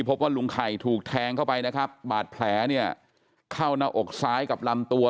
พบว่าลุงไข่ถูกแทงเข้าไปนะครับบาดแผลเนี่ยเข้าหน้าอกซ้ายกับลำตัว